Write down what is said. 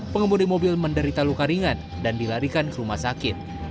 pengemudi mobil menderita luka ringan dan dilarikan ke rumah sakit